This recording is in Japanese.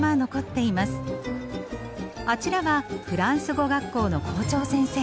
あちらはフランス語学校の校長先生。